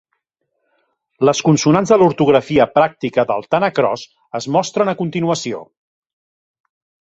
Les consonants de l'ortografia pràctica del tanacross es mostren a continuació.